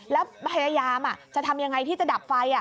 แล้วพยายามจะทำยังไงที่จะดับไฟ